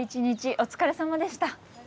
お疲れさまでした。